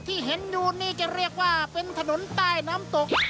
ที่เห็นอยู่นี่จะเรียกว่าเป็นถนนใต้น้ำตก